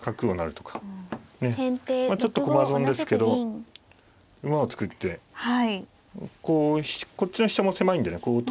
まあちょっと駒損ですけど馬を作ってこうこっちの飛車も狭いんでねこう。